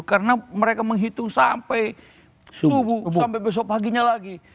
karena mereka menghitung sampai subuh sampai besok paginya lagi